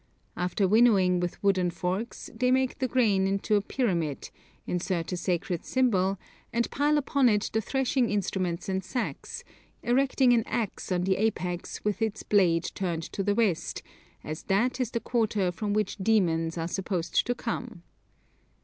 After winnowing with wooden forks, they make the grain into a pyramid, insert a sacred symbol, and pile upon it the threshing instruments and sacks, erecting an axe on the apex with its blade turned to the west, as that is the quarter from which demons are supposed to come.